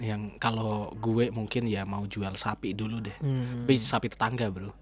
yang kalau gue mungkin ya mau jual sapi dulu deh tapi sapi tetangga bro